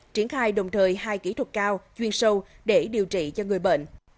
triển khai đồng thời hai kỹ thuật cao chuyên sâu để điều trị cho người bệnh